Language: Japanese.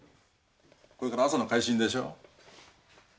これから朝の回診でしょ？